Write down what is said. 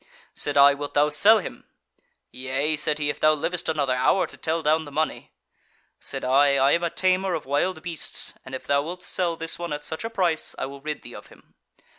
Said I, 'Wilt thou sell him?' 'Yea' said he, 'if thou livest another hour to tell down the money.' Said I, 'I am a tamer of wild beasts, and if thou wilt sell this one at such a price, I will rid thee of him.'